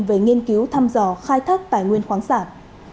về nghiên cứu thăm dò khai thác tài nguyên khoáng sản